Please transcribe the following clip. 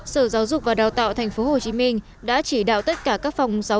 sở giáo dục và đào tạo tp hcm đã chỉ đạo tất cả các phòng giáo